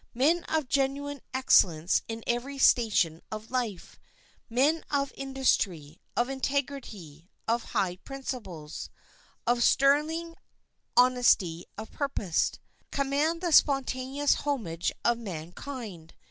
Men of genuine excellence in every station of life—men of industry, of integrity, of high principles, of sterling honesty of purpose—command the spontaneous homage of mankind.